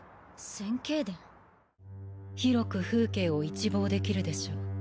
広く風景を一望できるでしょ。